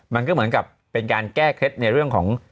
มันก็เหมือนกับเป็นการแก้เคล็ดในเรื่องของ